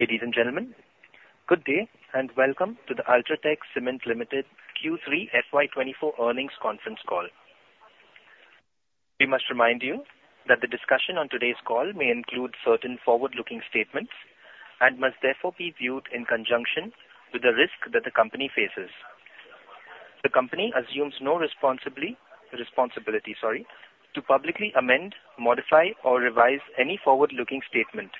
Ladies and gentlemen, good day, and welcome to the UltraTech Cement Limited Q3 FY 2024 earnings conference call. We must remind you that the discussion on today's call may include certain forward-looking statements and must therefore be viewed in conjunction with the risk that the company faces. The company assumes no responsibility to publicly amend, modify, or revise any forward-looking statement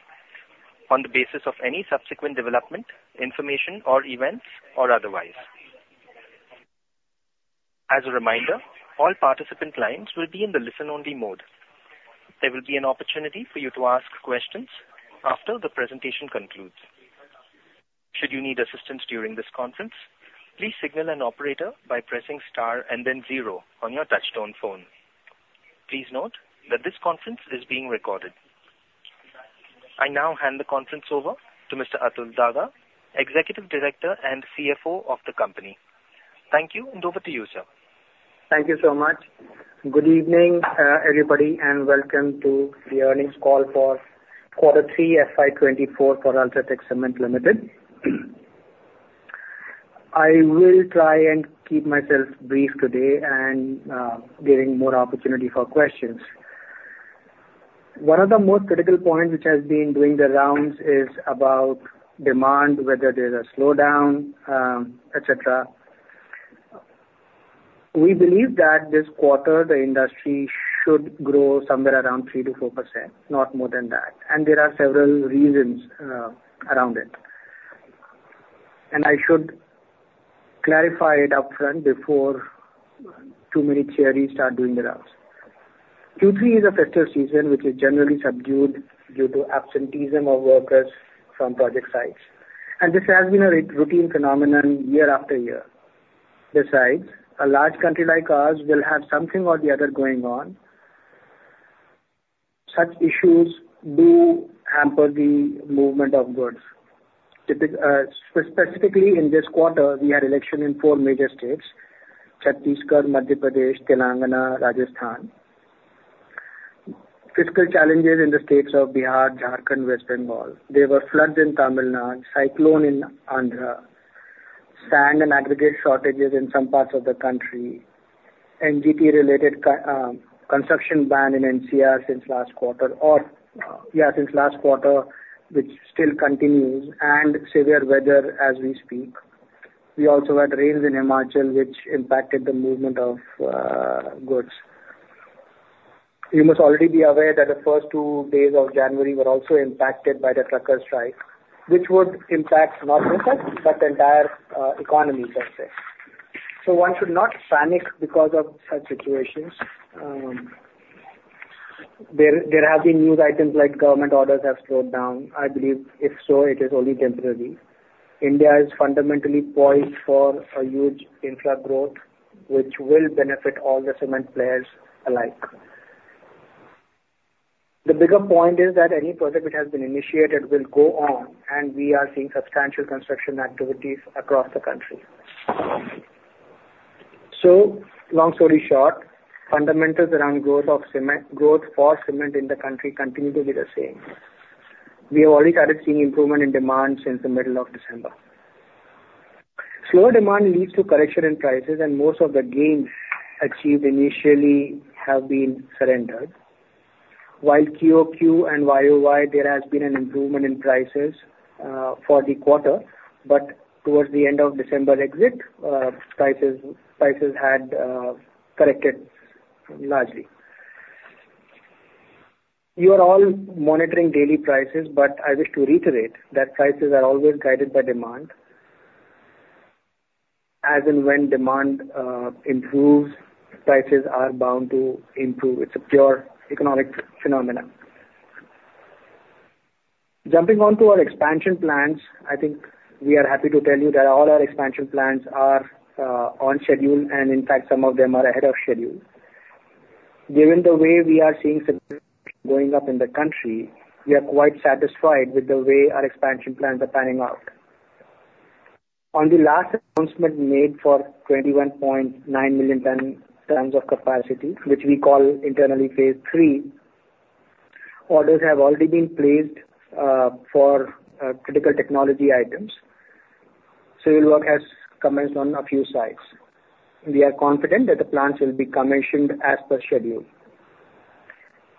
on the basis of any subsequent development, information, or events or otherwise. As a reminder, all participant lines will be in the listen-only mode. There will be an opportunity for you to ask questions after the presentation concludes. Should you need assistance during this conference, please signal an operator by pressing star and then zero on your touchtone phone. Please note that this conference is being recorded. I now hand the conference over to Mr. Atul Daga, Executive Director and CFO of the company. Thank you, and over to you, sir. Thank you so much. Good evening, everybody, and welcome to the earnings call for quarter three FY 2024 for UltraTech Cement Limited. I will try and keep myself brief today and giving more opportunity for questions. One of the most critical points which has been doing the rounds is about demand, whether there's a slowdown, et cetera. We believe that this quarter, the industry should grow somewhere around 3%-4%, not more than that, and there are several reasons around it. I should clarify it upfront before too many theories start doing the rounds. Q3 is a festival season, which is generally subdued due to absenteeism of workers from project sites, and this has been a routine phenomenon year after year. Besides, a large country like ours will have something or the other going on. Such issues do hamper the movement of goods. Specifically in this quarter, we had election in four major states, Chhattisgarh, Madhya Pradesh, Telangana, Rajasthan. Fiscal challenges in the states of Bihar, Jharkhand, West Bengal. There were floods in Tamil Nadu, cyclone in Andhra, sand and aggregate shortages in some parts of the country, NGT-related construction ban in NCR since last quarter, which still continues, and severe weather as we speak. We also had rains in Himachal, which impacted the movement of goods. You must already be aware that the first two days of January were also impacted by the truckers' strike, which would impact not just us, but the entire economy, per se. So one should not panic because of such situations. There have been news items like government orders have slowed down. I believe if so, it is only temporary. India is fundamentally poised for a huge infra growth, which will benefit all the cement players alike. The bigger point is that any project which has been initiated will go on, and we are seeing substantial construction activities across the country. So long story short, fundamentals around growth of cement, growth for cement in the country continue to be the same. We have already started seeing improvement in demand since the middle of December. Slower demand leads to correction in prices, and most of the gains achieved initially have been surrendered. While QoQ and YoY, there has been an improvement in prices for the quarter, but towards the end of December exit, prices had corrected largely. You are all monitoring daily prices, but I wish to reiterate that prices are always guided by demand. As and when demand improves, prices are bound to improve. It's a pure economic phenomenon. Jumping on to our expansion plans, I think we are happy to tell you that all our expansion plans are on schedule, and in fact, some of them are ahead of schedule. Given the way we are seeing going up in the country, we are quite satisfied with the way our expansion plans are panning out. On the last announcement made for 21.9 million tons of capacity, which we call internally Phase 3, orders have already been placed for critical technology items. So work has commenced on a few sites. We are confident that the plants will be commissioned as per schedule.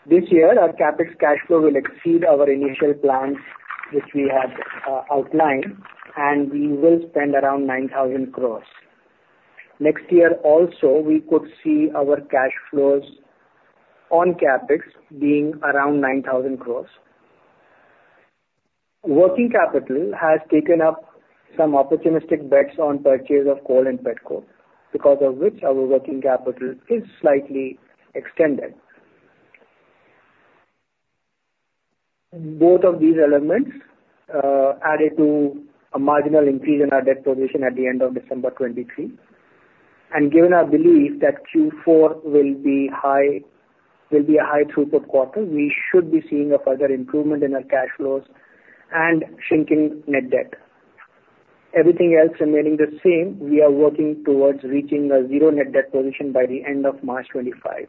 This year, our CapEx cash flow will exceed our initial plans, which we have outlined, and we will spend around 9,000 crore. Next year also, we could see our cash flows on CapEx being around 9,000 crore. Working capital has taken up some opportunistic bets on purchase of coal and pet coke, because of which our working capital is slightly extended. Both of these elements added to a marginal increase in our debt position at the end of December 2023. And given our belief that Q4 will be high, will be a high throughput quarter, we should be seeing a further improvement in our cash flows and shrinking net debt. Everything else remaining the same, we are working towards reaching a 0 net debt position by the end of March 2025.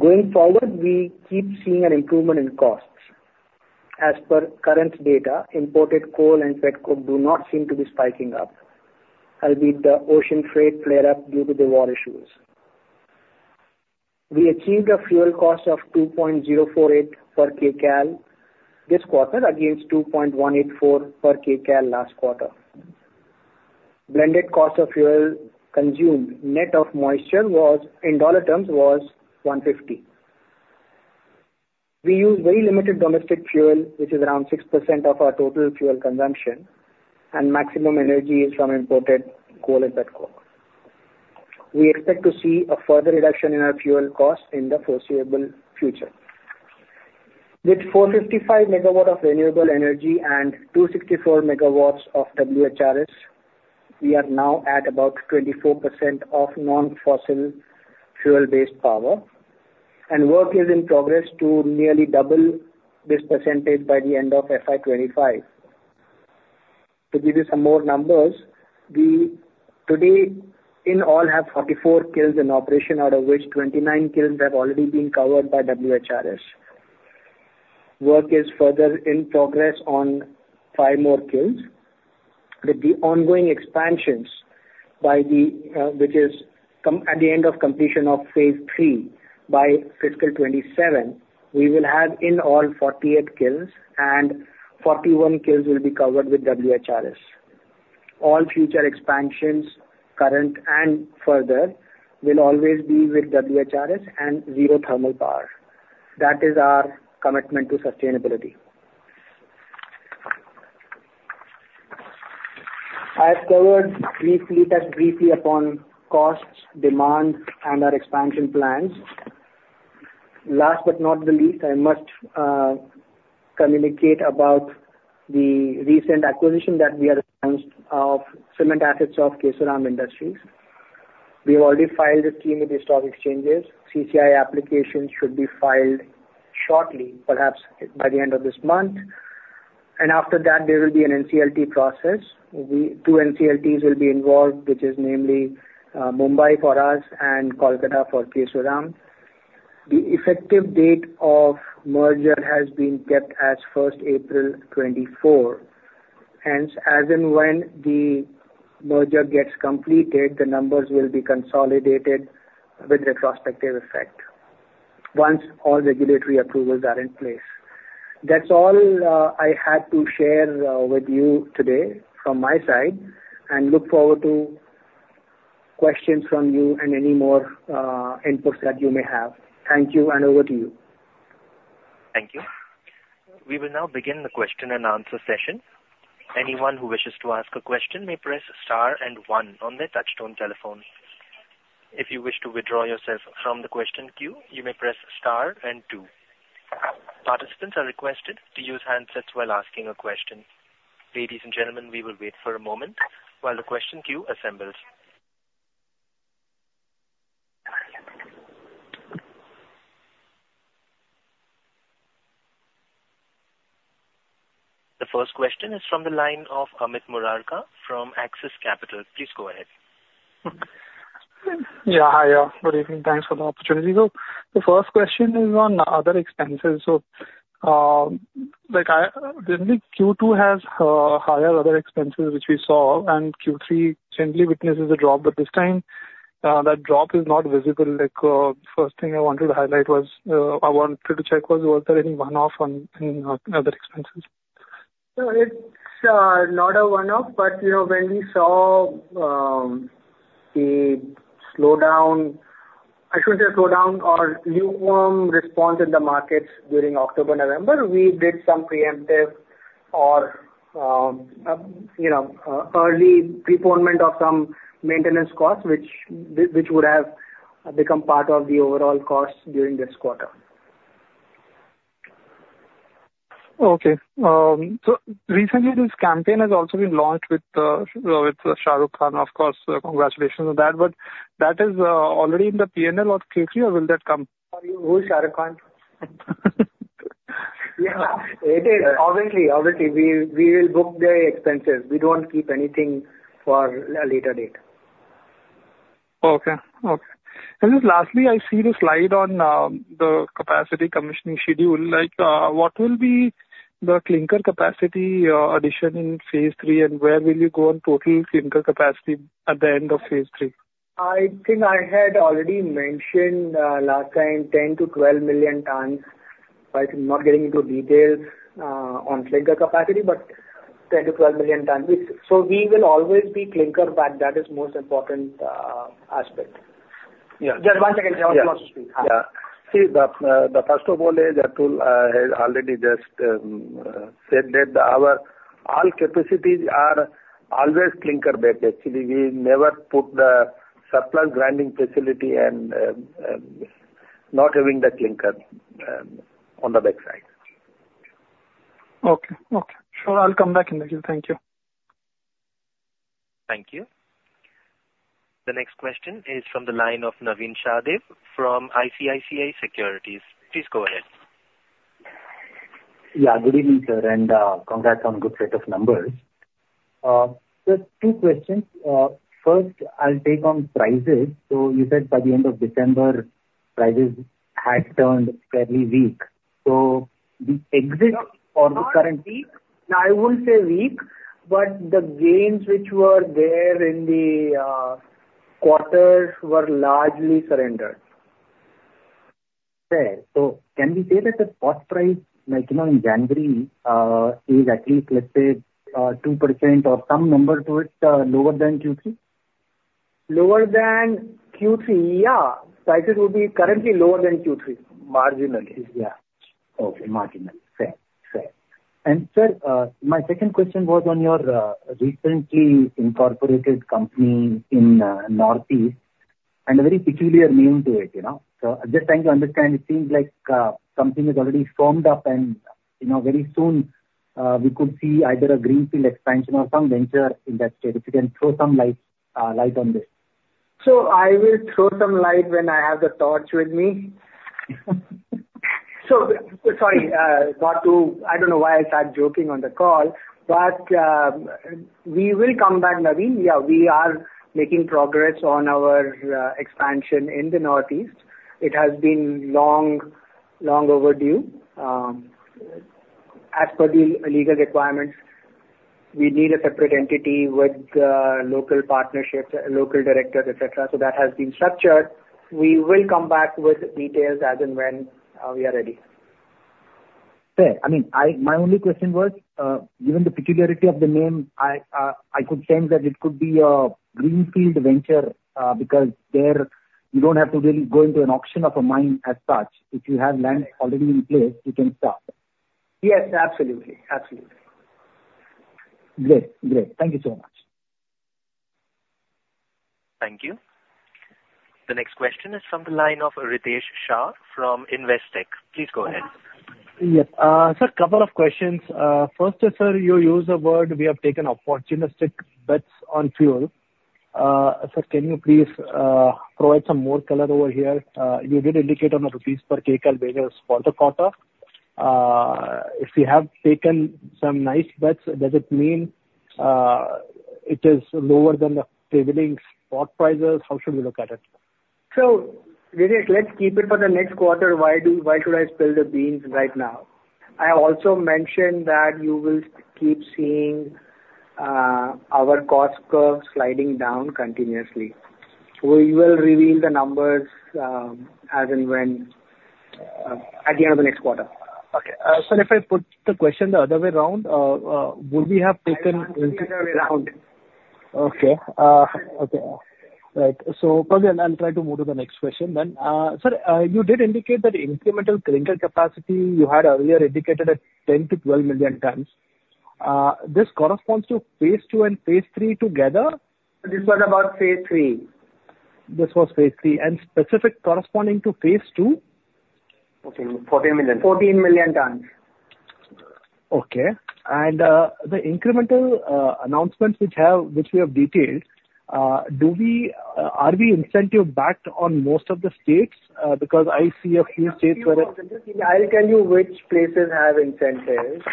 Going forward, we keep seeing an improvement in costs. As per current data, imported coal and pet coke do not seem to be spiking up, albeit the ocean freight flare up due to the war issues. We achieved a fuel cost of 2.048 per kcal this quarter against 2.184 per kcal last quarter. Blended cost of fuel consumed net of moisture was, in dollar terms, was $150. We use very limited domestic fuel, which is around 6% of our total fuel consumption, and maximum energy is from imported coal and pet coke. We expect to see a further reduction in our fuel costs in the foreseeable future. With 455 MW of renewable energy and 264 MW of WHRS, we are now at about 24% of non-fossil fuel-based power, and work is in progress to nearly double this percentage by the end of FY 2025. To give you some more numbers, we today in all have 44 kilns in operation, out of which 29 kilns have already been covered by WHRS. Work is further in progress on 5 more kilns. With the ongoing expansions by the, which is at the end of completion of Phase 3, by fiscal 2027, we will have in all 48 kilns, and 41 kilns will be covered with WHRS. All future expansions, current and further, will always be with WHRS and zero thermal power. That is our commitment to sustainability. I have covered briefly, touched briefly upon costs, demand, and our expansion plans. Last but not the least, I must communicate about the recent acquisition that we are announced of cement assets of Kesoram Industries. We have already filed it with the stock exchanges. CCI application should be filed shortly, perhaps by the end of this month, and after that there will be an NCLT process. Two NCLTs will be involved, which is namely, Mumbai for us and Kolkata for Kesoram. The effective date of merger has been kept as first April 2024, hence, as and when the merger gets completed, the numbers will be consolidated with retrospective effect once all regulatory approvals are in place. That's all, I had to share, with you today from my side, and look forward to questions from you and anymore, inputs that you may have. Thank you, and over to you. Thank you. We will now begin the question-and-answer session. Anyone who wishes to ask a question may press star and one on their touchtone telephone. If you wish to withdraw yourself from the question queue, you may press star and two. Participants are requested to use handsets while asking a question. Ladies and gentlemen, we will wait for a moment while the question queue assembles. The first question is from the line of Amit Murarka from Axis Capital. Please go ahead. Yeah, hi. Good evening. Thanks for the opportunity. So the first question is on other expenses. So, like, I generally Q2 has higher other expenses, which we saw, and Q3 generally witnesses a drop, but this time that drop is not visible. Like, first thing I wanted to highlight was, I wanted to check was, was there any one-off on, in, other expenses? So it's not a one-off, but you know, when we saw the slowdown, I shouldn't say a slowdown, or lukewarm response in the markets during October, November, we did some preemptive or you know, early preponement of some maintenance costs, which would have become part of the overall costs during this quarter. Okay. So recently this campaign has also been launched with Shah Rukh Khan. Of course, congratulations on that, but that is already in the P&L or Q3 or will that come? Who is Shah Rukh Khan? Yeah, it is. Obviously, obviously, we, we will book the expenses. We don't keep anything for a later date. Okay. Okay. And then lastly, I see the slide on the capacity commissioning schedule. Like, what will be the clinker capacity addition in Phase 3, and where will you go on total clinker capacity at the end of Phase 3? I think I had already mentioned, last time, 10 million tons-12 million tons. But I'm not getting into details, on clinker capacity, but 10 million tons-12 million tons. So we will always be clinker, but that is most important, aspect. Yeah. Just one second. Jhanwarji wants to speak. Yeah. See, the first of all is, Atul has already just said that our all capacities are always clinker based. Actually, we never put the surplus grinding facility and not having the clinker on the backside. Okay. Okay. Sure, I'll come back in touch with you. Thank you. Thank you. The next question is from the line of Navin Sahadeo from ICICI Securities. Please go ahead. Yeah, good evening, sir, and congrats on good set of numbers. Just two questions. First, I'll take on prices. So you said by the end of December, prices had turned fairly weak. So the exit or the current- No, I wouldn't say weak, but the gains which were there in the quarters were largely surrendered. Fair. So can we say that the spot price maximum in January is at least, let's say, 2% or some number to it, lower than Q3? Lower than Q3? Yeah. Prices will be currently lower than Q3. Marginally. Yeah. Okay. Marginally. Fair. Fair. And sir, my second question was on your recently incorporated company in Northeast, and a very peculiar name to it, you know. So I'm just trying to understand, it seems like something is already formed up, and, you know, very soon we could see either a greenfield expansion or some venture in that state. If you can throw some light, light on this. So I will throw some light when I have the torch with me. So, sorry, I don't know why I started joking on the call, but we will come back, Navin. Yeah, we are making progress on our expansion in the Northeast. It has been long, long overdue. As per the legal requirements, we need a separate entity with local partnerships, local directors, et cetera, so that has been structured. We will come back with details as and when we are ready. Fair. I mean, I, my only question was, given the peculiarity of the name, I, I could sense that it could be a greenfield venture, because there you don't have to really go into an auction of a mine as such. If you have land already in place, you can start. Yes, absolutely. Absolutely. Great. Great. Thank you so much. Thank you. The next question is from the line of Ritesh Shah from Investec. Please go ahead. Yes. Sir, couple of questions. First, sir, you used the word we have taken opportunistic bets on fuel. Sir, can you please provide some more color over here? You did indicate on the INR per kilo basis for the quarter. If you have taken some nice bets, does it mean it is lower than the prevailing spot prices? How should we look at it? So, Ritesh, let's keep it for the next quarter. Why do, why should I spill the beans right now? I have also mentioned that you will keep seeing, our cost curve sliding down continuously. We will reveal the numbers, as and when, at the end of the next quarter. Okay. Sir, if I put the question the other way around, would we have taken- I can't see the other way around. Okay. Okay. Right. So perhaps I'll try to move to the next question then. Sir, you did indicate that the incremental clinker capacity you had earlier indicated at 10 million tons-12 million tons. This corresponds to Phase 2 and Phase 3 together? This was about Phase 3. This was Phase 3. Specific corresponding to Phase 2? 14 million. 14 million tons. Okay. And, the incremental announcements which we have detailed, are the incentive backed on most of the states? Because I see a few states where- I'll tell you which places have incentives.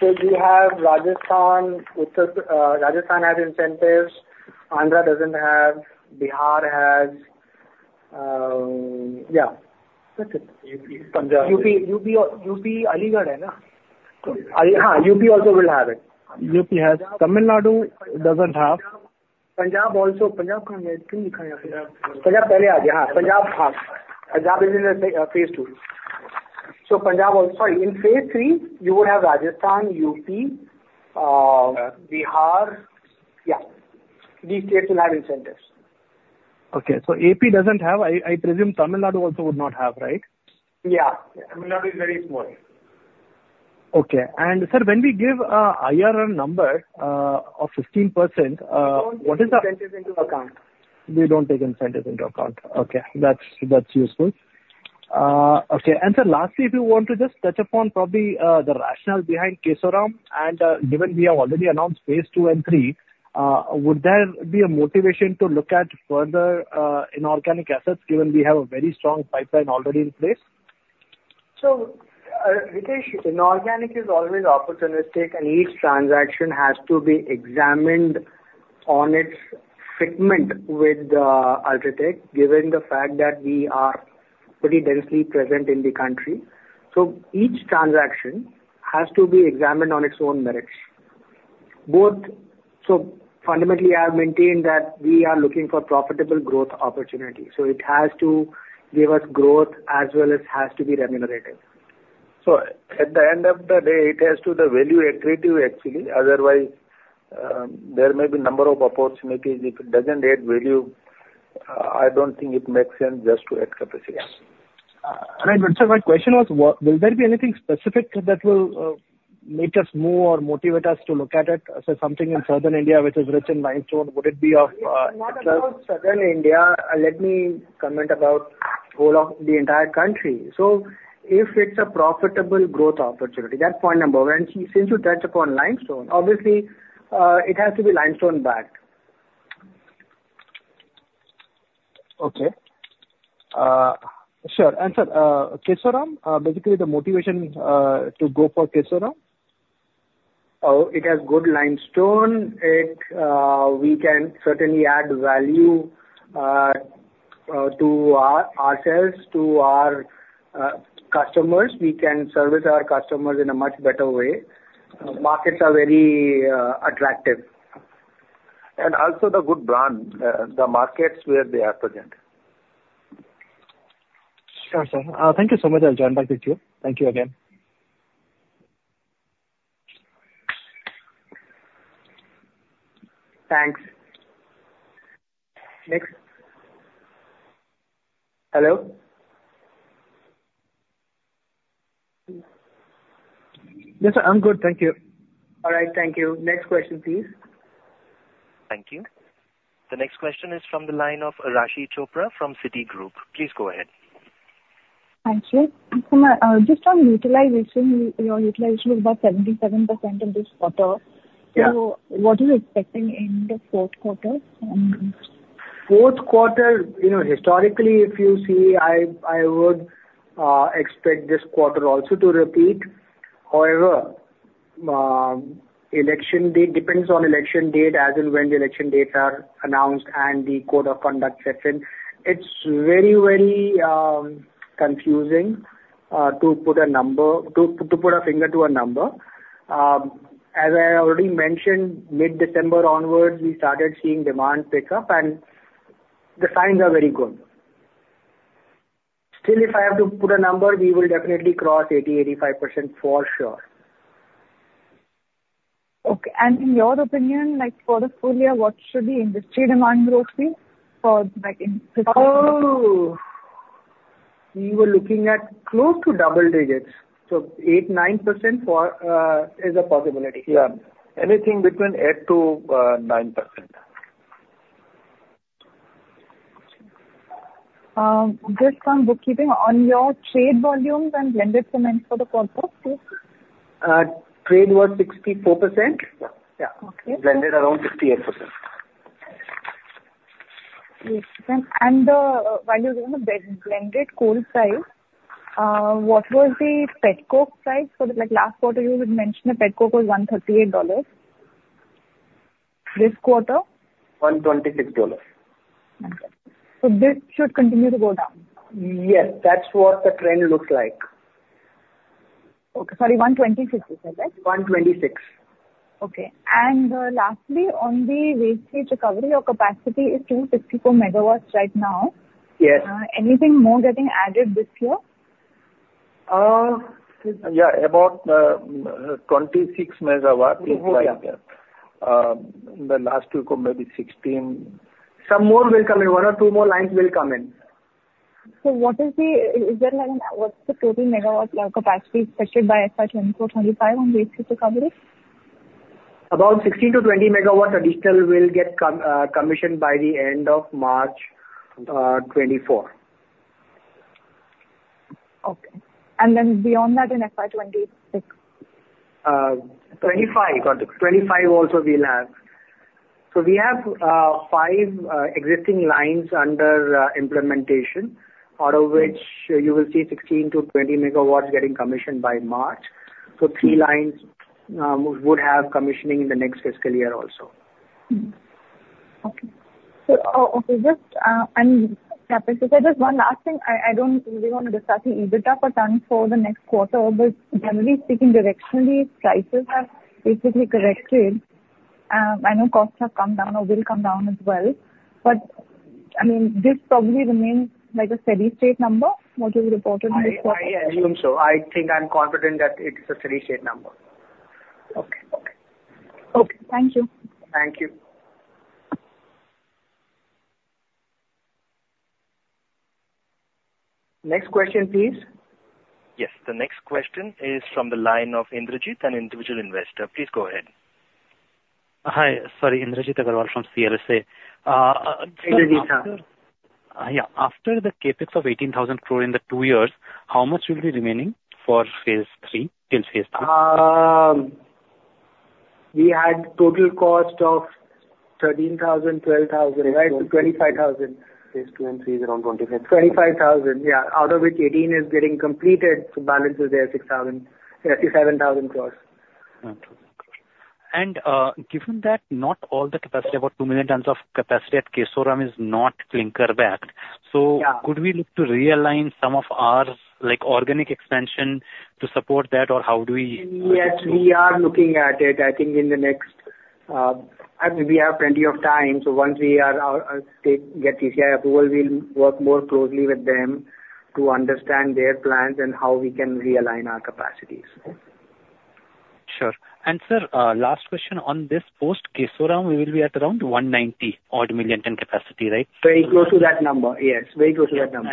So we have Rajasthan, which Rajasthan has incentives. Andhra doesn't have, Bihar has, yeah. UP also will have it. UP has. Tamil Nadu doesn't have Punjab also. Punjab is in the Phase 2. So Punjab also... in Phase 3, you would have Rajasthan, UP, Bihar. Yeah, these states will have incentives. Okay, so AP doesn't have. I presume Tamil Nadu also would not have, right? Yeah. Tamil Nadu is very small. Okay. And sir, when we give a IRR number of 15%, what is the- We don't take incentives into account. We don't take incentives into account. Okay. That's, that's useful. Okay, and sir, lastly, if you want to just touch upon probably, the rationale behind Kesoram, and, given we have already announced Phase 2 and 3, would there be a motivation to look at further, inorganic assets, given we have a very strong pipeline already in place? So, Ritesh, inorganic is always opportunistic, and each transaction has to be examined on its fitment with UltraTech, given the fact that we are pretty densely present in the country. So each transaction has to be examined on its own merits. So fundamentally, I have maintained that we are looking for profitable growth opportunities, so it has to give us growth as well as has to be remunerative. So at the end of the day, it has to the value accretive actually, otherwise, there may be number of opportunities. If it doesn't add value, I don't think it makes sense just to add capacity. Sir, my question was, what will there be anything specific that will make us move or motivate us to look at it? So something in southern India which is rich in limestone, would it be of- It's not about southern India. Let me comment about whole of the entire country. So if it's a profitable growth opportunity, that's point number one. Since you touched upon limestone, obviously, it has to be limestone-backed. Okay. Sure. And sir, Kesoram, basically the motivation to go for Kesoram? Oh, it has good limestone. It, we can certainly add value to ourselves, to our customers. We can service our customers in a much better way. Markets are very attractive. And also the good brand, the markets where they are present. Sure, sir. Thank you so much. I'll join back with you. Thank you again. Thanks. Next. Hello? Yes, sir, I'm good, thank you. All right, thank you. Next question, please. Thank you. The next question is from the line of Raashi Chopra from Citigroup. Please go ahead. Thank you. So my, just on utilization, your utilization was about 77% in this quarter. Yeah. So what are you expecting in the fourth quarter? Fourth quarter, you know, historically, if you see, I would expect this quarter also to repeat. However, election date depends on election date, as in when the election dates are announced and the code of conduct sets in. It's very, very confusing to put a number, to put a finger to a number. As I already mentioned, mid-December onwards, we started seeing demand pick up, and the signs are very good. Still, if I have to put a number, we will definitely cross 80%-85% for sure. Okay. In your opinion, like, for the full year, what should the industry demand growth be for like India? Oh, we were looking at close to double digits, so 8%-9% for is a possibility. Yeah. Anything between 8%-9%. Just on bookkeeping, on your trade volumes and blended cement for the quarter, please. Trade was 64%. Yeah. Okay. Blended around 58%. Great. And, while you're on the blended coal price, what was the pet coke price for the... Like, last quarter you had mentioned the pet coke was $138. This quarter? $126. So this should continue to go down? Yes, that's what the trend looks like. Okay. Sorry, $126 you said, right? $126. Okay. Lastly, on the waste heat recovery, your capacity is 254 MW right now. Yes. Anything more getting added this year? Uh- Yeah, about 26 MW in prior year. The last two quarter, maybe 16 MW. Some more will come in. One or two more lines will come in. So what is the, is there like a, what's the total megawatt capacity expected by FY 2024-2025 on waste heat recovery? About 16 MW-20 MW additional will get commissioned by the end of March 2024. Okay. And then beyond that, in FY 2026? 2025 also we'll have. So we have five existing lines under implementation, out of which you will see 16 MW-20 MW getting commissioned by March. So three lines would have commissioning in the next fiscal year also. Okay. So, just one last thing. I don't really want to discuss the EBITDA for tons for the next quarter, but generally speaking, directionally, prices have basically corrected. I know costs have come down or will come down as well. But, I mean, this probably remains like a steady state number, what is reported this quarter? I assume so. I think I'm confident that it is a steady state number. Okay. Okay. Okay, thank you. Thank you. Next question, please. Yes, the next question is from the line of Indrajit, an individual investor. Please go ahead. Hi. Sorry, Indrajit Agarwal from CLSA. Indrajit, yeah. Yeah. After the CapEx of 18,000 crore in the two years, how much will be remaining for Phase 3, till Phase 3? We had total cost of 13,000, 12,000, right? So 25,000. Phase 2 and 3 is around 25,000 crore- 25,000 crore, yeah, out of which 18,000 crore is getting completed, so balance is there, 6,000 crore-7,000 crore. Okay. And, given that not all the capacity, about 2 million tons of capacity at Kesoram is not clinker-backed- Yeah. Could we look to realign some of our, like, organic expansion to support that, or how do we- Yes, we are looking at it. I think in the next, and we have plenty of time, so once we are, get CCI approval, we'll work more closely with them to understand their plans and how we can realign our capacities. Sure. Sir, last question on this. Post Kesoram, we will be at around 190 million ton capacity, right? Very close to that number, yes. Very close to that number.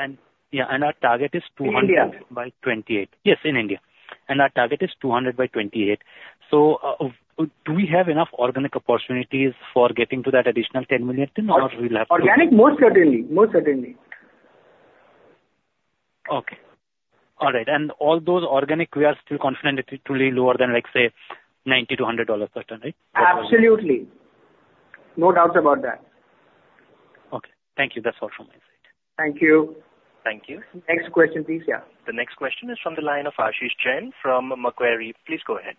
Yeah, our target is 200- In India. By 2028. Yes, in India. And our target is 200 by 2028. So, do we have enough organic opportunities for getting to that additional 10 million ton or we'll have to- Organic? Most certainly. Most certainly. Okay. All right, and all those organic, we are still confident it is truly lower than, like, say, $90-$100 per ton, right? Absolutely. No doubt about that. Okay. Thank you. That's all from my side. Thank you. Thank you. Next question, please. Yeah. The next question is from the line of Ashish Jain from Macquarie. Please go ahead.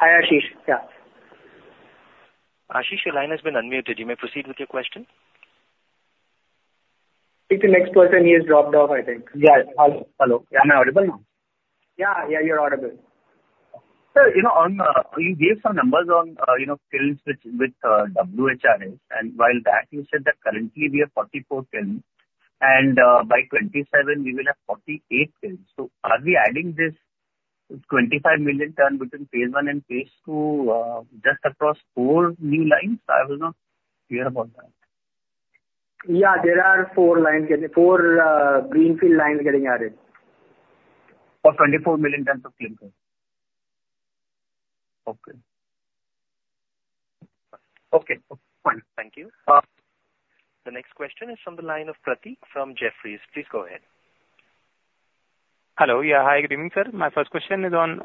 Hi, Ashish. Yeah. Ashish, your line has been unmuted. You may proceed with your question. It's the next person, he has dropped off, I think. Yeah. Hello. Hello. Am I audible now? Yeah, yeah, you're audible. Sir, you know, on, you gave some numbers on, you know, kilns with, with, WHRS, and while that you said that currently we have 44 kilns, and, by 2027 we will have 48 kilns. So are we adding this 25 million ton between Phase 1 and Phase 2, just across four new lines? I was not clear about that. Yeah, there are four lines, four, greenfield lines getting added. For 24 million tons of kilns. Okay. Okay, fine. Thank you. The next question is from the line of Prateek from Jefferies. Please go ahead. Hello. Yeah, hi, good evening, sir. My first question is on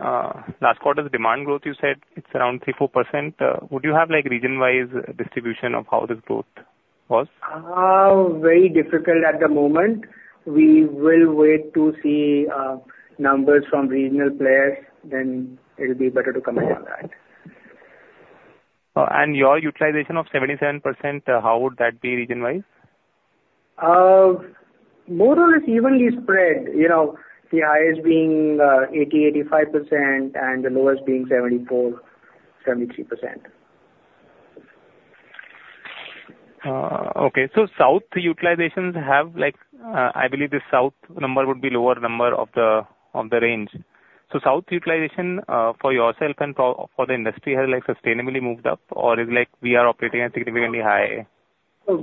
last quarter's demand growth. You said it's around 3%-4%. Would you have, like, region-wise distribution of how this growth was? Very difficult at the moment. We will wait to see numbers from regional players, then it'll be better to comment on that. Your utilization of 77%, how would that be region-wise? More or less evenly spread, you know, the highest being 85%, and the lowest being 73%. Okay. So South utilizations have like, I believe the South number would be lower number of the, of the range. So South utilization, for yourself and for, for the industry has like sustainably moved up, or is like we are operating at significantly high? So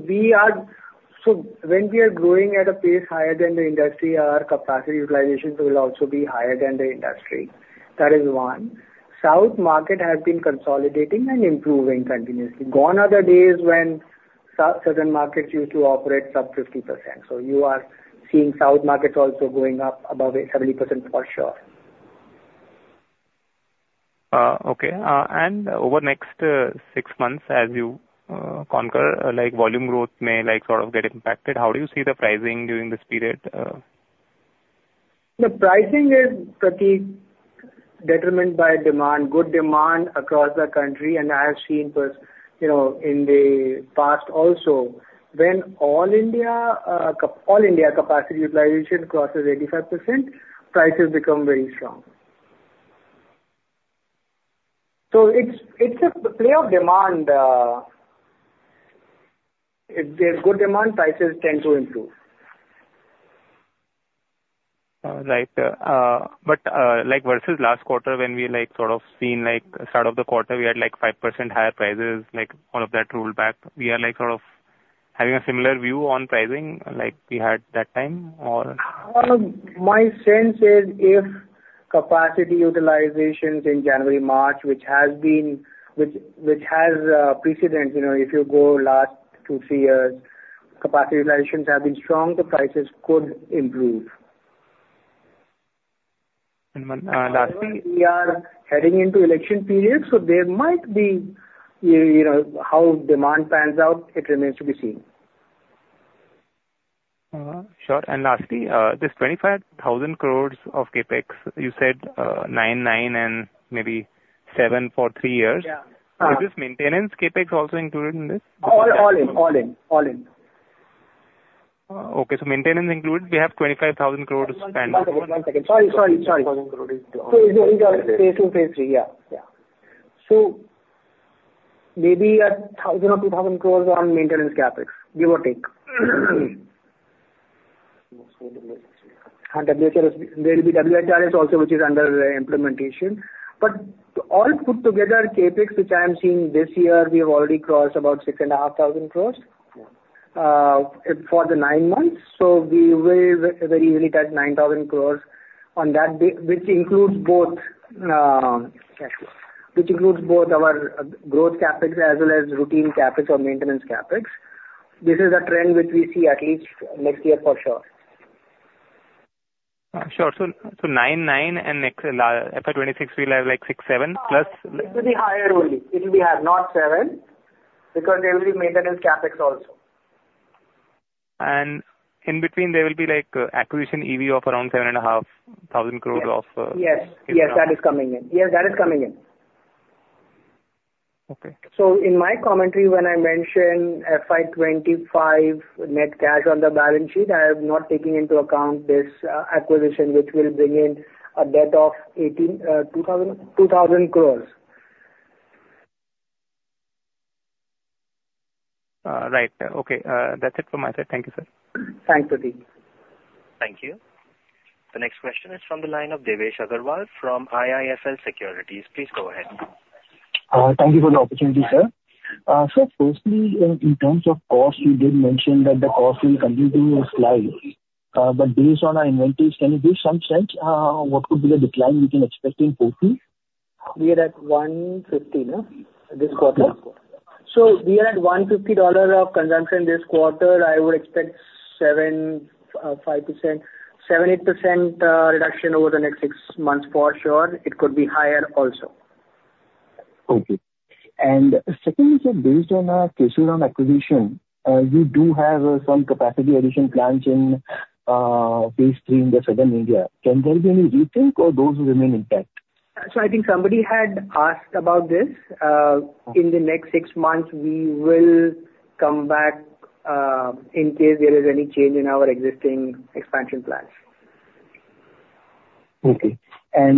when we are growing at a pace higher than the industry, our capacity utilizations will also be higher than the industry. That is one. South market has been consolidating and improving continuously. Gone are the days when South, southern markets used to operate sub 50%. So you are seeing South markets also going up above 70% for sure. Okay. And over next six months as you conquer, like, volume growth may like sort of get impacted, how do you see the pricing during this period? The pricing is, Prateek, determined by demand, good demand across the country, and I have seen this, you know, in the past also. When all India capacity utilization crosses 85%, prices become very strong. So it's, it's a play of demand. If there's good demand, prices tend to improve. Right. But like versus last quarter, when we like sort of seen like start of the quarter, we had like 5% higher prices, like all of that rolled back. We are like sort of having a similar view on pricing like we had that time, or? My sense is if capacity utilizations in January-March, which has precedent, you know, if you go last two, three years, capacity utilizations have been strong, the prices could improve. And one, lastly- We are heading into election period, so there might be, you know, how demand pans out. It remains to be seen. Sure. And lastly, this 25,000 crore of CapEx, you said, 9,000 crore, 9,000 crore and maybe 7,000 crore for three years. Yeah. Is this maintenance CapEx also included in this? All in. All in. All in. Okay, so maintenance included, we have 25,000 crore to spend. One second. Sorry, sorry, sorry. Phase 2, Phase 3. Yeah, yeah. So maybe 1,000 or 2,000 crore on maintenance CapEx, give or take. And there will be WHRS also, which is under implementation. But all put together, CapEx, which I am seeing this year, we have already crossed about 6,500 crores for the nine months. So we will very easily touch 9,000 crores on that day, which includes both, which includes both our growth CapEx as well as routine CapEx or maintenance CapEx. This is a trend which we see at least next year for sure. Sure. So, INR 9,000 crores, INR 9,000 crores, and next year, FY 2026, we'll have, like, 6,000 crores, INR 7,000 crores+? It will be higher only. It will be higher, not 7,000 crore, because there will be maintenance CapEx also. And in between there will be, like, acquisition EV of around 7,500 crore of- Yes. Yes, that is coming in. Yes, that is coming in. Okay. In my commentary, when I mention FY 2025 net cash on the balance sheet, I am not taking into account this acquisition, which will bring in a debt of 2,000 crore. Right. Okay, that's it from my side. Thank you, sir. Thanks, Prateek. Thank you. The next question is from the line of Devesh Agarwal from IIFL Securities. Please go ahead. Thank you for the opportunity, sir. So firstly, in terms of cost, you did mention that the cost will continue to decline. But based on our inventories, can you give some sense what could be the decline we can expect in forty? We are at $150, no? This quarter? So we are at $150 of consumption this quarter. I would expect 7%-8% reduction over the next six months for sure. It could be higher also. Okay. And secondly, sir, based on our Kesoram acquisition, you do have some capacity addition plans in northern or southern India. Can there be any rethink or those remain intact? So I think somebody had asked about this. In the next six months, we will come back, in case there is any change in our existing expansion plans. Okay. So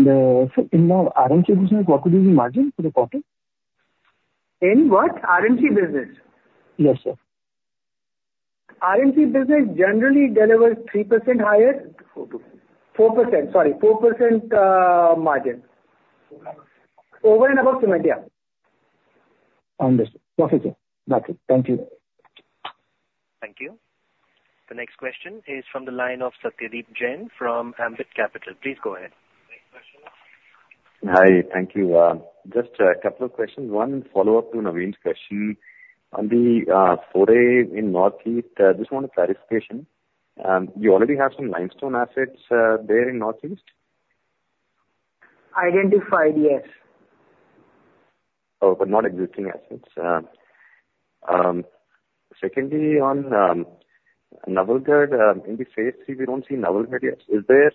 in the RMC business, what will be the margin for the quarter? In what? RMC business? Yes, sir. RMC business generally delivers 3% higher- 4%. 4%, sorry, 4% margin. Over and above cement, yeah. Understood. Perfect, sir. Got it. Thank you. Thank you. The next question is from the line of Satyadeep Jain from Ambit Capital. Please go ahead. Hi, thank you. Just a couple of questions. One follow-up to Naveen's question on the foray in Northeast. Just want a clarification. You already have some limestone assets there in Northeast? Identified, yes. Oh, but not existing assets. Secondly, on Nawalgarh, in the Phase 3, we don't see Nawalgarh yet. Is there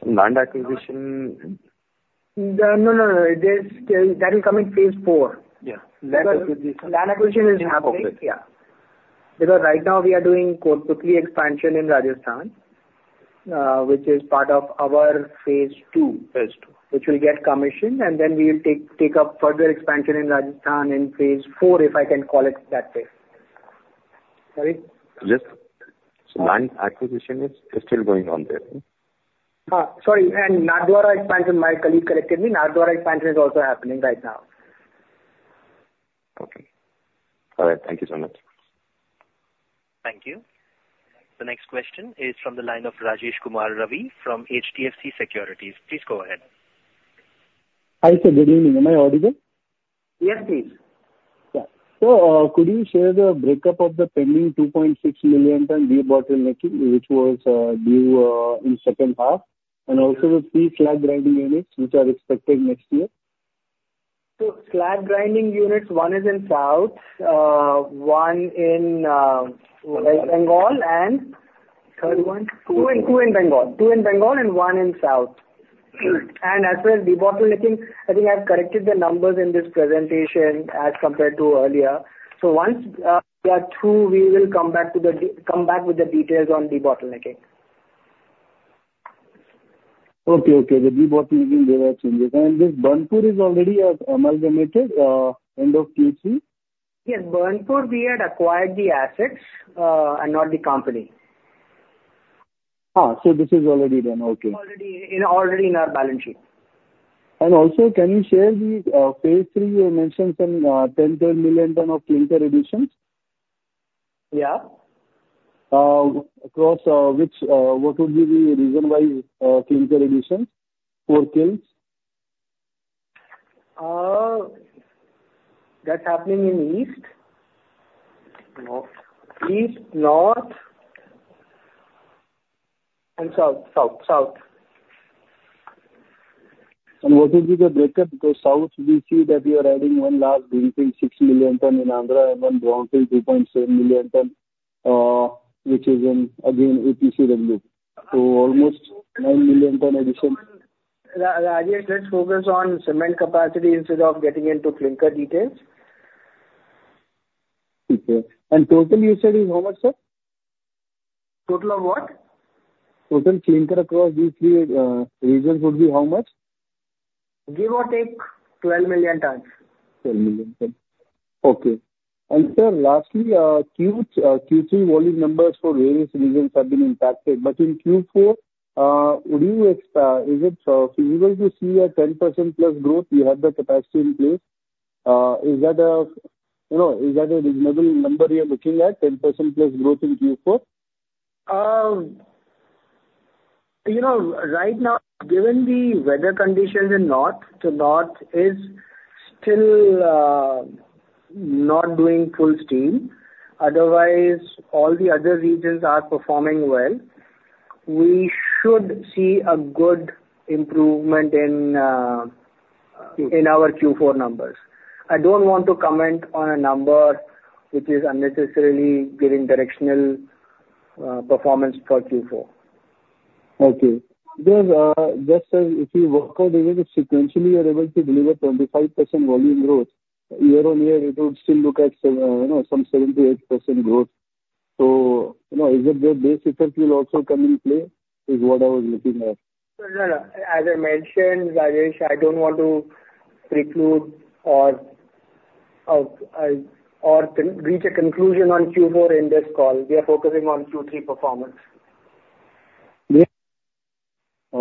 some land acquisition? No, no, no, there's that will come in Phase 4. Yeah. Land acquisition is happening. Okay. Yeah. Because right now we are doing Kotputli expansion in Rajasthan, which is part of our Phase 2- Phase 2. - which will get commissioned, and then we will take up further expansion in Rajasthan in Phase 4, if I can call it that way. Sorry? Just, so land acquisition is still going on there? Sorry, and Nathdwara expansion, my colleague corrected me. Nathdwara expansion is also happening right now. Okay. All right. Thank you so much. Thank you. The next question is from the line of Rajesh Kumar Ravi from HDFC Securities. Please go ahead. Hi, sir. Good evening. Am I audible? Yes, please. Yeah. So, could you share the breakup of the pending 2.6 million ton debottlenecking, which was due in second half, and also the slag grinding units, which are expected next year? Slag grinding units, one is in South, one in West Bengal, and third one? Two in Bengal and one in South. And as far as debottlenecking, I think I've corrected the numbers in this presentation as compared to earlier. So once we are through, we will come back with the details on debottlenecking. Okay, okay. The debottlenecking there are changes. And this Burnpur is already amalgamated, end of Q3? Yes, Burnpur, we had acquired the assets, and not the company. Ah, so this is already done. Okay. Already in our balance sheet. And also, can you share the Phase 3 you mentioned, some 10 million ton of clinker additions? Yeah. Across which, what would be the region-wise clinker additions for kilns? That's happening in East, North, and South. What will be the breakup? Because South, we see that you are adding one large greenfield, 6 million tons in Andhra, and one brownfield, 2.7 million tons, which is in, again, APCW. So almost 9 million tons addition. Rajesh, let's focus on cement capacity instead of getting into clinker details. Okay. Total you said is how much, sir? Total of what? Total clinker across these three regions would be how much? Give or take, 12 million tons. 12 million tons. Okay. And sir, lastly, Q3 volume numbers for various regions have been impacted, but in Q4, is it feasible to see a 10%+ growth? You have the capacity in place. Is that a, you know, is that a reasonable number you're looking at, 10%+ growth in Q4? You know, right now, given the weather conditions in North, so North is still not doing full steam. Otherwise, all the other regions are performing well. We should see a good improvement in, in our Q4 numbers. I don't want to comment on a number which is unnecessarily giving directional, performance for Q4. Okay. Because, just, if you work out even if sequentially you're able to deliver 25% volume growth, year-on-year, it would still look at some, you know, some 7%-8% growth. So, you know, is it the base effect will also come in play, is what I was looking at? No, no. As I mentioned, Rajesh, I don't want to preclude or reach a conclusion on Q4 in this call. We are focusing on Q3 performance.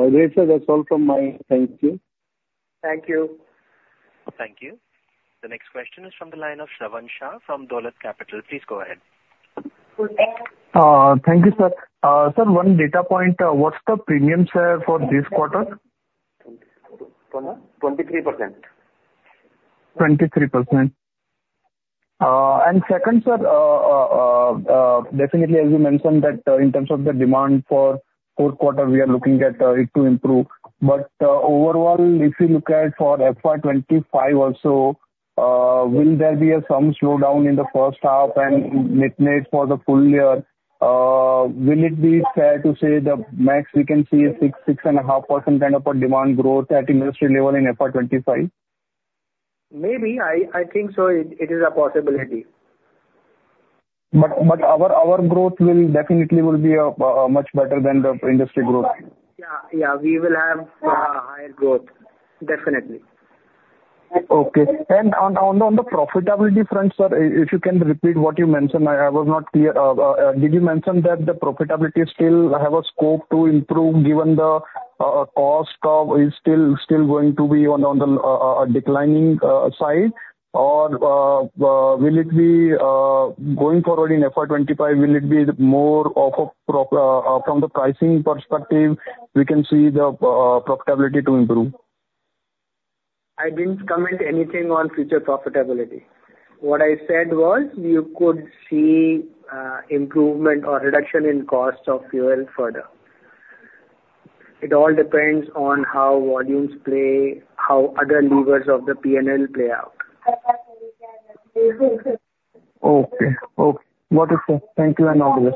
Yeah. Great, sir. That's all from my end. Thank you. Thank you. Thank you. The next question is from the line of Shravan Shah from Dolat Capital. Please go ahead. Thank you, sir. Sir, one data point, what's the premiums for this quarter? 23% 23%. And second, sir, definitely as you mentioned, that, in terms of the demand for fourth quarter, we are looking at, it to improve. But, overall, if you look at for FY 2025 also, will there be a some slowdown in the first half and mid-May for the full year? Will it be fair to say the max we can see is 6%-6.5% kind of a demand growth at industry level in FY 2025? Maybe. I think so. It is a possibility. But our growth will definitely be much better than the industry growth. Yeah, yeah, we will have higher growth, definitely. Okay. On the profitability front, sir, if you can repeat what you mentioned, I was not clear. Did you mention that the profitability still have a scope to improve, given the cost is still going to be on the declining side? Or, will it be going forward in FY 2025, will it be more of a pro from the pricing perspective, we can see the profitability to improve? I didn't comment anything on future profitability. What I said was you could see, improvement or reduction in cost of fuel further. It all depends on how volumes play, how other levers of the PNL play out. Okay. Okay. Got it, sir. Thank you and onwards.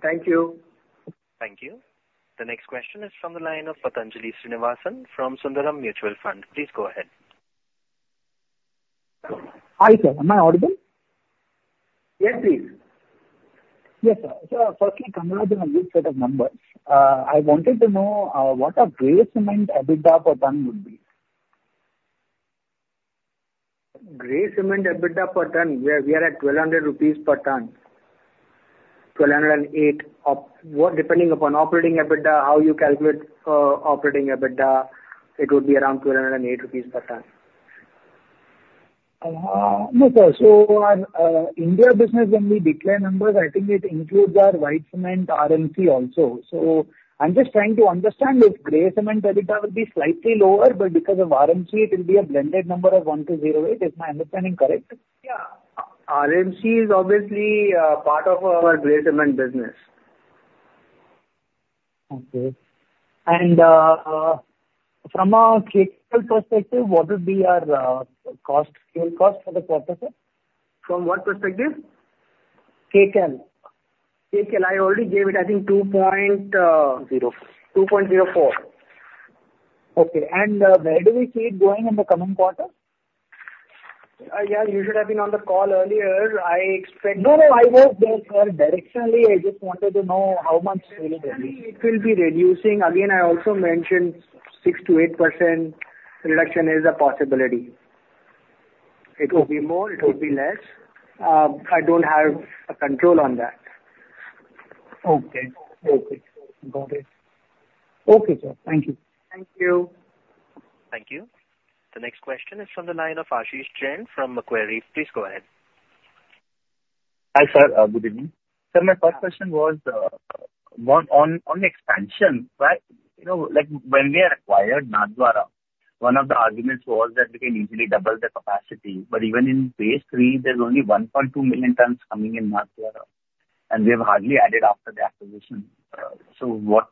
Thank you. Thank you. The next question is from the line of Patanjali Srinivasan from Sundaram Mutual Fund. Please go ahead. Hi, sir. Am I audible? Yes, please. Yes, sir. So firstly, congrats on a good set of numbers. I wanted to know what a grey cement EBITDA per ton would be? Grey cement EBITDA per ton, we are, we are at 1,200 rupees per ton. 1,208. Of what? Depending upon operating EBITDA, how you calculate, operating EBITDA, it would be around 1,208 rupees per ton. No, sir. So on India business, when we declare numbers, I think it includes our white cement RMC also. So I'm just trying to understand if gray cement EBITDA will be slightly lower, but because of RMC, it will be a blended number of 1,208. Is my understanding correct? Yeah. RMC is obviously part of our gray cement business. From a kcal perspective, what would be our fuel cost for the quarter, sir? From what perspective? kcal. kcal, I already gave it, I think 2.04. Okay. And, where do we see it going in the coming quarter? Yeah, you should have been on the call earlier. I expect- No, no, I was there, sir. Directionally, I just wanted to know how much will it be? It will be reducing. Again, I also mentioned 6%-8% reduction is a possibility. It could be more, it could be less. I don't have a control on that. Okay. Okay. Got it. Okay, sir. Thank you. Thank you. Thank you. The next question is from the line of Ashish Jain from Macquarie. Please go ahead. Hi, sir. Good evening. Sir, my first question was one on expansion. But, you know, like, when we acquired Nathdwara, one of the arguments was that we can easily double the capacity. But even in Phase 3, there's only 1.2 million tons coming in Nathdwara, and we've hardly added after the acquisition. So what...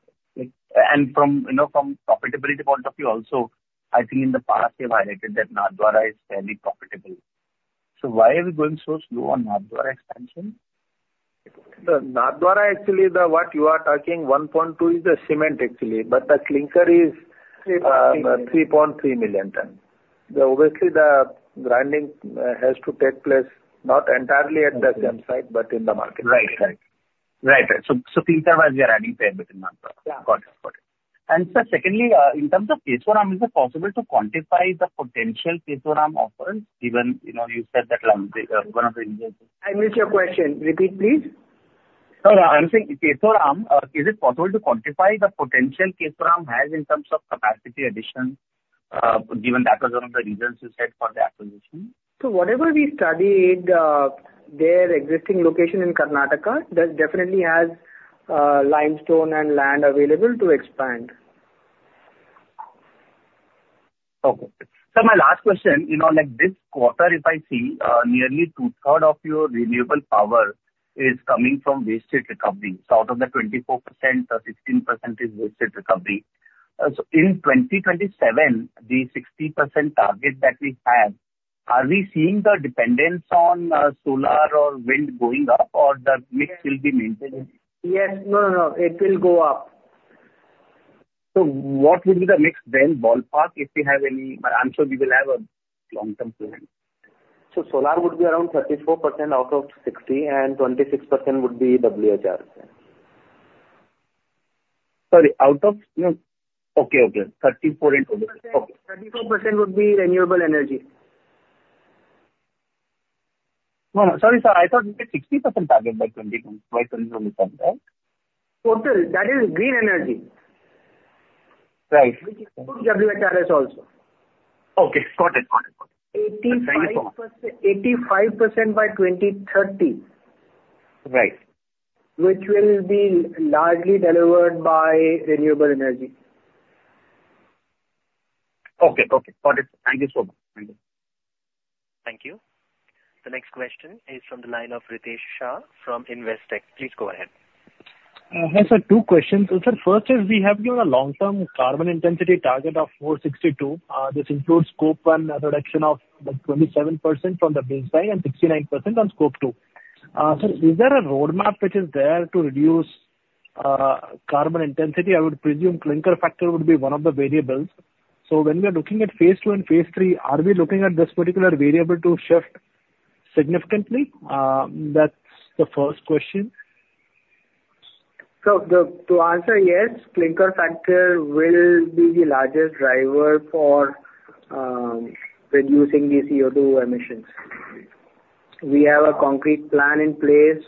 And from, you know, profitability point of view also, I think in the past you've highlighted that Nathdwara is fairly profitable. So why are we going so slow on Nathdwara expansion? The Nathdwara, actually, the what you are talking, 1.2 million is the cement, actually, but the clinker is, 3.3 million tons. Obviously, the grinding, has to take place not entirely at the Nathdwara site, but in the market. Right. So, clinker you're adding there between Nathdwara. Yeah. Got it. Got it. Sir, secondly, in terms of Kesoram, is it possible to quantify the potential Kesoram offers, given, you know, you said that, one of the- I missed your question. Repeat, please. Sir, I'm saying, Kesoram, is it possible to quantify the potential Kesoram has in terms of capacity addition, given that was one of the reasons you said for the acquisition? Whatever we studied, their existing location in Karnataka definitely has limestone and land available to expand. Okay. Sir, my last question, you know, like this quarter, if I see, nearly two-thirds of your renewable power is coming from waste recovery. Out of the 24%, 16% is waste recovery. So in 2027, the 60% target that we have, are we seeing the dependence on solar or wind going up or the mix will be maintained? Yes, no, no, it will go up. What will be the mix then, ballpark, if you have any? I'm sure we will have a long-term plan. Solar would be around 34% out of 60%, and 26% would be WHR. you know... Okay, okay, 34% into- 34% would be renewable energy. No, no, sorry, sir, I thought it was a 60% target by 2021, is that right? Total. That is green energy. Right, which is WHRS also. Okay, got it. Got it. 85%, 85% by 2030. Right. Which will be largely delivered by renewable energy. Okay. Okay. Got it. Thank you so much. Thank you. Thank you. The next question is from the line of Ritesh Shah from Investec. Please go ahead. Hi, sir. Two questions. So, sir, first is, we have given a long-term carbon intensity target of 462. This includes Scope 1 reduction of 27% from the baseline and 69% on Scope 2. So is there a roadmap which is there to reduce carbon intensity? I would presume clinker factor would be one of the variables. So when we are looking at Phase 2 and Phase 3, are we looking at this particular variable to shift significantly? That's the first question. So, to answer, yes, clinker factor will be the largest driver for reducing the CO2 emissions. We have a concrete plan in place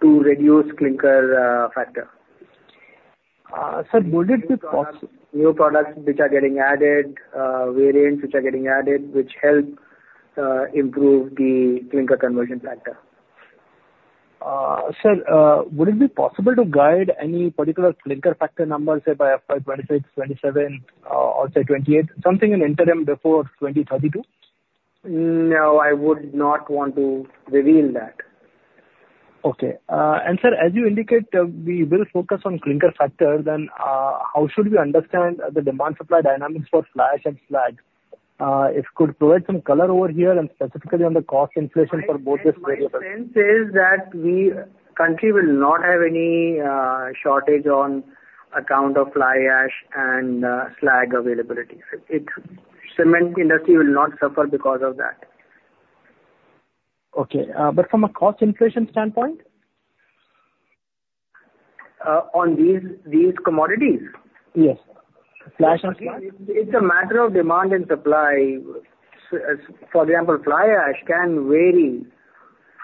to reduce clinker factor. Sir, would it be poss-? New products which are getting added, variants which are getting added, which help improve the clinker conversion factor. Sir, would it be possible to guide any particular clinker factor numbers, say, by up by 2026, 2027, or say 2028, something in interim before 2032? No, I would not want to reveal that. Okay. And sir, as you indicate, we will focus on clinker factor, then, how should we understand the demand/supply dynamics for fly ash and slag? If could provide some color over here and specifically on the cost inflation for both this variables. My sense is that our country will not have any shortage on account of fly ash and slag availability. The cement industry will not suffer because of that. Okay, but from a cost inflation standpoint? On these commodities? Yes. Fly ash and slag. It's a matter of demand and supply. For example, fly ash can vary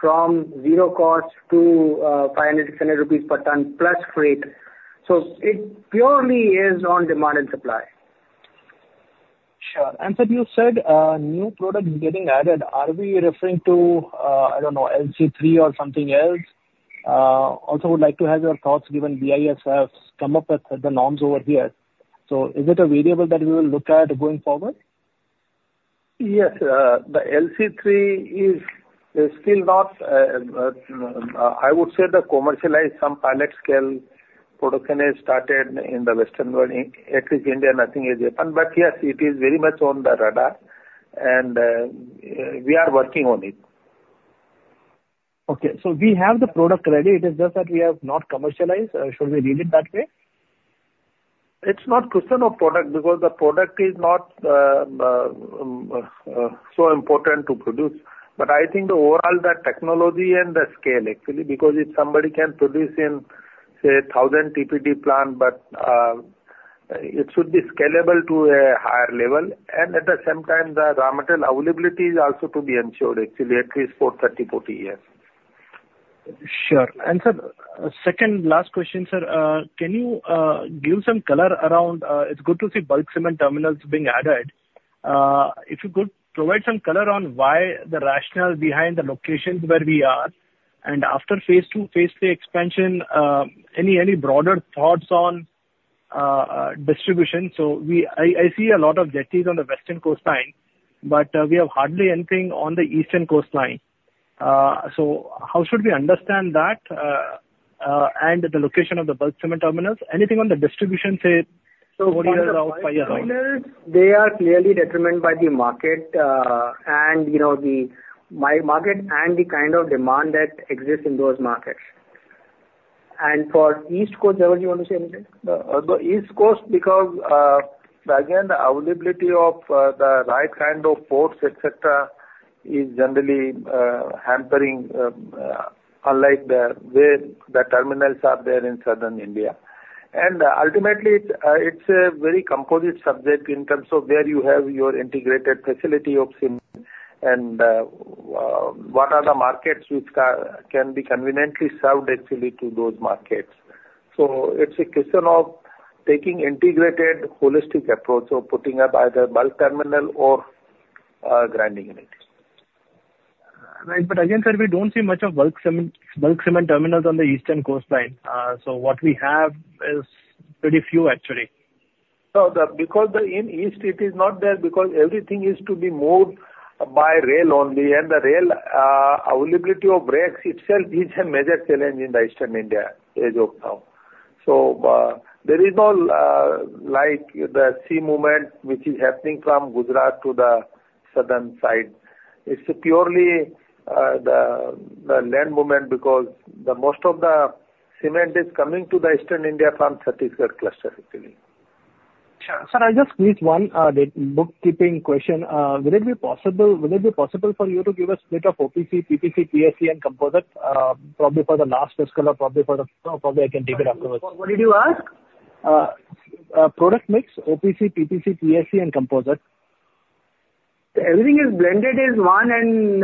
from zero cost to 507 rupees per ton plus freight. So it purely is on demand and supply. Sure. And sir, you said, new products getting added. Are we referring to, I don't know, LC3 or something else? Also would like to have your thoughts, given BIS has come up with the norms over here. So is it a variable that we will look at going forward? Yes, the LC3 is still not commercialized, I would say. Some pilot scale production has started in the Western World. At least in India, nothing is different. But yes, it is very much on the radar, and we are working on it. Okay, so we have the product ready. It is just that we have not commercialized, should we read it that way? It's not question of product, because the product is not so important to produce. But I think the overall, the technology and the scale actually, because if somebody can produce in, say, a 1,000 TPD plant, but it should be scalable to a higher level, and at the same time, the raw material availability is also to be ensured, actually, at least for 30, 40 years. Sure. And sir, second, last question, sir. Can you give some color around, it's good to see bulk cement terminals being added. If you could provide some color on why the rationale behind the locations where we are, and after Phase 2, Phase 3 expansion, any broader thoughts on distribution? So, I see a lot of jetties on the western coastline, but we have hardly anything on the eastern coastline. So how should we understand that, and the location of the bulk cement terminals? Anything on the distribution, say, four years out, five years out? They are clearly determined by the market, and you know, by the market and the kind of demand that exists in those markets. And for East Coast, Rahul, you want to say anything? The East Coast, because, again, the availability of the right kind of ports, et cetera, is generally hampering, unlike the way the terminals are there in Southern India. And ultimately, it's, it's a very composite subject in terms of where you have your integrated facility of cement and what are the markets which can be conveniently served actually to those markets. So it's a question of taking integrated holistic approach of putting up either bulk terminal or grinding unit. Right. But again, sir, we don't see much of bulk cement, bulk cement terminals on the eastern coastline. So what we have is pretty few, actually. So, because in the east it is not there, because everything is to be moved by rail only, and the rail availability of rakes itself is a major challenge in Eastern India as of now. So, there is no like the sea movement, which is happening from Gujarat to the southern side. It's purely the land movement because the most of the cement is coming to Eastern India from Chhattisgarh cluster, actually. Sure. Sir, I'll just squeeze one bookkeeping question. Will it be possible, will it be possible for you to give a split of OPC, PPC, PSC and composite, probably for the last fiscal or probably for the, probably I can take it afterwards? What did you ask? Product mix, OPC, PPC, PSC and composite. Everything is blended is one, and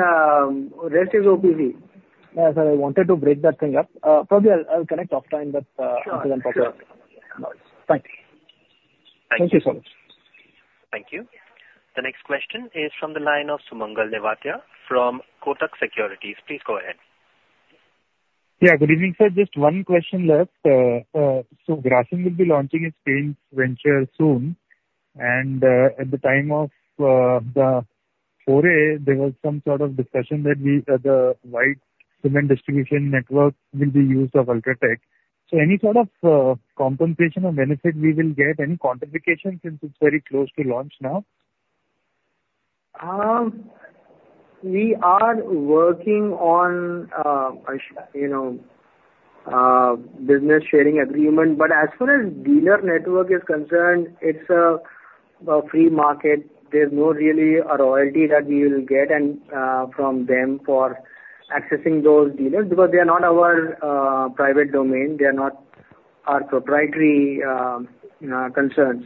rest is OPC. Yeah, so I wanted to break that thing up. Probably I'll connect offline with... Sure, sure. Thank you. Thank you so much. Thank you. The next question is from the line of Sumangal Nevatia from Kotak Securities. Please go ahead. Yeah, good evening, sir. Just one question left. So Grasim will be launching its paints venture soon, and, at the time of, the foray, there was some sort of discussion that we, that the wide cement distribution network will be used of UltraTech. Any sort of compensation or benefit we will get, any quantification since it's very close to launch now? We are working on, you know, business sharing agreement, but as far as dealer network is concerned, it's a free market. There's no really a royalty that we will get and from them for accessing those dealers because they are not our private domain. They are not our proprietary concerns.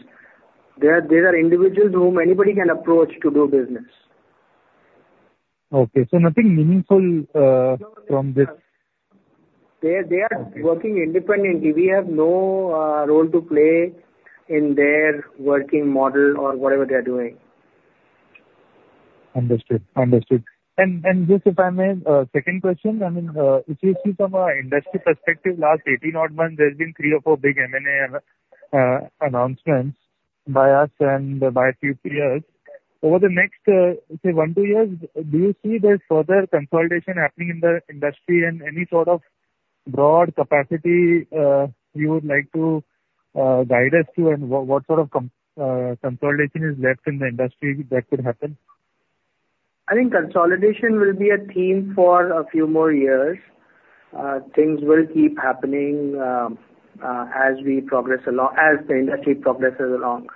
They are individuals whom anybody can approach to do business. Okay. So nothing meaningful from this? They are, they are working independently. We have no role to play in their working model or whatever they are doing. Understood. Understood. And, and just if I may, second question. I mean, if you see from a industry perspective, last 18 odd months, there's been three or four big M&A announcements by us and by a few peers. Over the next, say, one, two years, do you see there's further consolidation happening in the industry and any sort of broad capacity, you would like to, guide us to? And what sort of consolidation is left in the industry that could happen? I think consolidation will be a theme for a few more years. Things will keep happening, as we progress along, as the industry progresses along.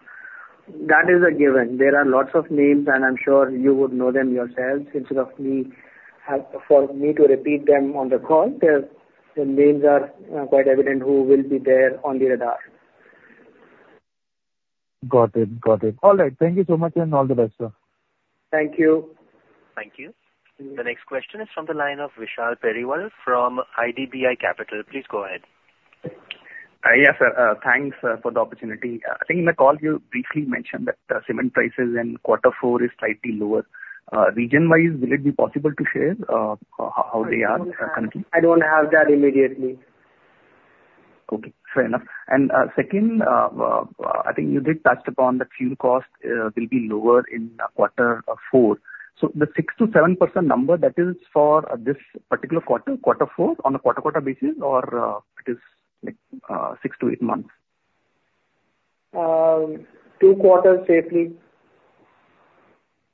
That is a given. There are lots of names, and I'm sure you would know them yourselves, instead of me for me to repeat them on the call. The names are quite evident who will be there on the radar. Got it. Got it. All right. Thank you so much, and all the best, sir. Thank you. Thank you. The next question is from the line of Vishal Periwal from IDBI Capital. Please go ahead. Yes, sir. Thanks for the opportunity. I think in the call you briefly mentioned that the cement prices in quarter four is slightly lower. Region-wise, will it be possible to share how they are currently? I don't have that immediately. Okay, fair enough. And, second, I think you did touched upon the fuel cost, will be lower in quarter four. So the 6%-7% number, that is for this particular quarter, quarter four, on a quarter-on-quarter basis or, it is like, six to eight months? Two quarters safely.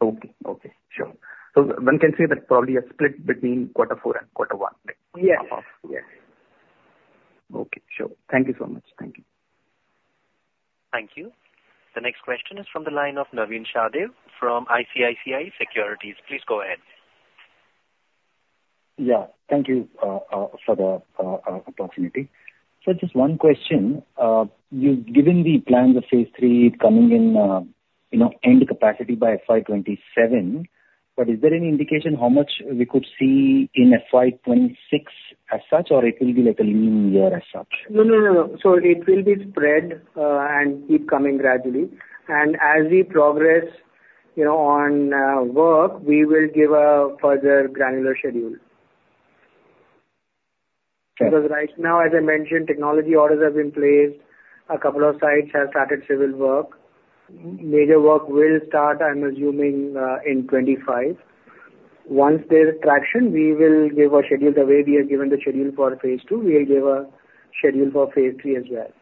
Okay. Okay. Sure. So one can say that probably a split between quarter four and quarter one, like- Yes. Off. Yes. Okay, sure. Thank you so much. Thank you. Thank you. The next question is from the line of Navin Sahadeo from ICICI Securities. Please go ahead. Yeah. Thank you for the opportunity. So just one question. You've given the plans of Phase 3 coming in, you know, and capacity by FY 2027, but is there any indication how much we could see in FY 2026 as such, or it will be like a lean year as such? No, no, no, no. So it will be spread, and keep coming gradually. As we progress, you know, on work, we will give a further granular schedule. Sure. Because right now, as I mentioned, technology orders have been placed. A couple of sites have started civil work. Major work will start, I'm assuming, in 2025. Once there's traction, we will give a schedule the way we have given the schedule for Phase 2, we'll give a schedule for Phase 3 as well.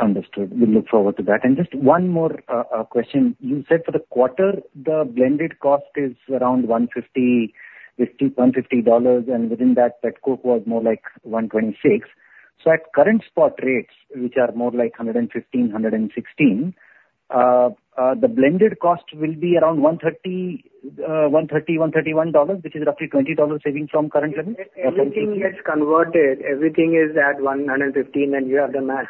Understood. We look forward to that. And just one more question. You said for the quarter, the blended cost is around $155, and within that, petcoke was more like $126. So at current spot rates, which are more like $115-$116, the blended cost will be around $130-$131, which is roughly $20 savings from current savings? Everything gets converted, everything is at $115, and you have the math.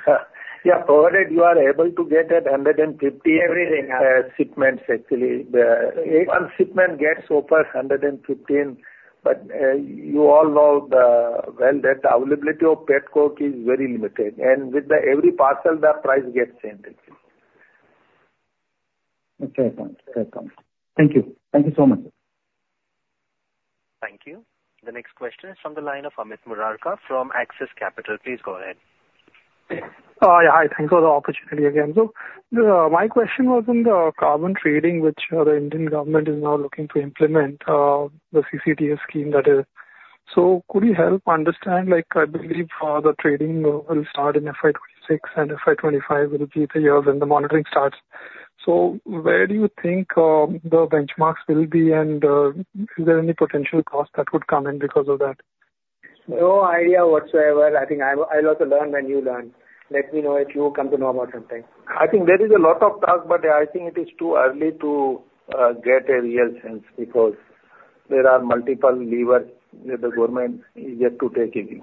Yeah, provided you are able to get $150- Everything. Shipments, actually. The one shipment gets over $115, but you all know, well, that the availability of petcoke is very limited, and with every parcel, the price gets changed. Okay. Fair comment. Thank you. Thank you so much. Thank you. The next question is from the line of Amit Murarka from Axis Capital. Please go ahead. Yeah, hi. Thanks for the opportunity again. So my question was on the carbon trading, which the Indian government is now looking to implement, the CCTS scheme, that is. So could you help understand, like, I believe the trading will start in FY 2026 and FY 2025 will be the year when the monitoring starts. So where do you think the benchmarks will be, and is there any potential cost that would come in because of that? No idea whatsoever. I think I will, I'll also learn when you learn. Let me know if you come to know about something. I think there is a lot of talk, but I think it is too early to get a real sense because there are multiple levers that the government is yet to take it in.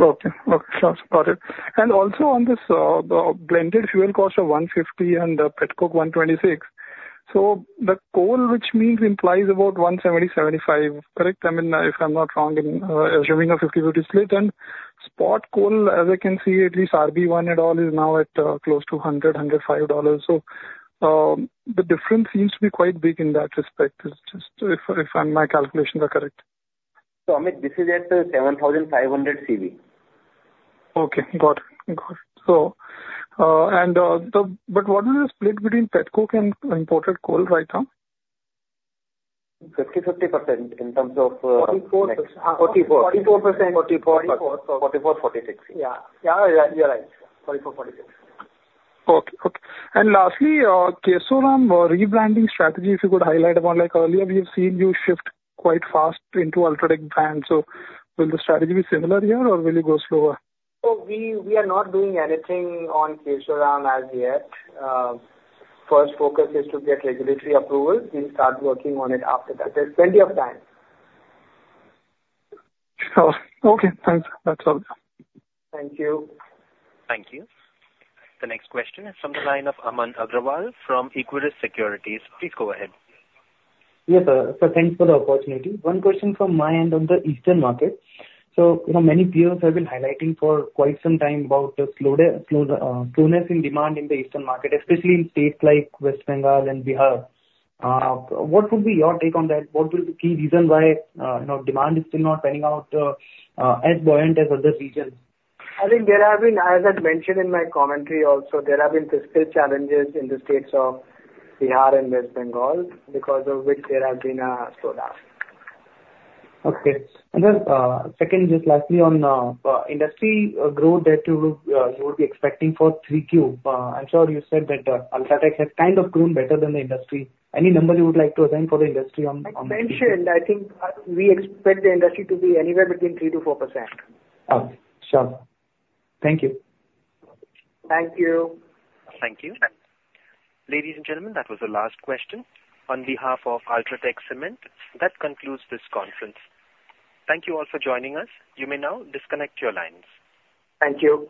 Okay, okay, sure. Got it. Also on this, the blended fuel cost of $150 and the petcoke $126. So the coal, which means implies about $170, $175, correct? I mean, if I'm not wrong in assuming a 50/50 split. Spot coal, as I can see, at least RB1 and all, is now at close to $100, $105. So, the difference seems to be quite big in that respect. It's just if, if my calculations are correct. So, Amit, this is at 7,500 CV. Okay, got it. Got it. So, but what is the split between petcoke and imported coal right now? 50/50 percent in terms of, 44% 44% 44% 44%, 46%. Yeah. Yeah, you're right, sir. 44%, 46%. Lastly, Kesoram rebranding strategy, if you could highlight upon, like earlier, we have seen you shift quite fast into UltraTech brand. So will the strategy be similar here, or will you go slower? So we are not doing anything on Kesoram as yet. First focus is to get regulatory approval. We'll start working on it after that. There's plenty of time. Oh, okay, thanks. That's all. Thank you. Thank you. The next question is from the line of Aman Agarwal from Equirus Securities. Please go ahead. Yes, sir. So thanks for the opportunity. One question from my end on the eastern market. So, you know, many peers have been highlighting for quite some time about the slower slowness in demand in the eastern market, especially in states like West Bengal and Bihar. What would be your take on that? What will be key reason why, you know, demand is still not panning out as buoyant as other regions? I think there have been, as I'd mentioned in my commentary also, there have been fiscal challenges in the states of Bihar and West Bengal, because of which there have been a slowdown. Okay. And then, second, just lastly on industry growth that you, you would be expecting for 3Q. I'm sure you said that UltraTech has kind of grown better than the industry. Any number you would like to assign for the industry on, on- I mentioned, I think, we expect the industry to be anywhere between 3%-4%. Oh, sure. Thank you. Thank you. Thank you. Ladies and gentlemen, that was the last question. On behalf of UltraTech Cement, that concludes this conference. Thank you all for joining us. You may now disconnect your lines. Thank you.